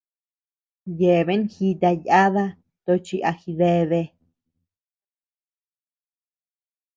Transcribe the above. Yeabea jita yada tochi a jideabea.